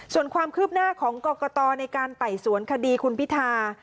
ส่วนความคืบหน้าของกรกตในการไต่สวนคดีคุณพิธา